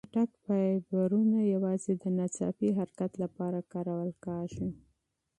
چټک فایبرونه یوازې د ناڅاپي حرکت لپاره کارول کېږي.